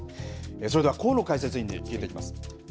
それでは高野解説委員に聞いていきます。